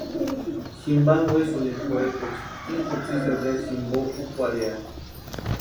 Jimpanhi wexurhini pʼurhepecha ini kutsi febrero jimpo úkwarhiati.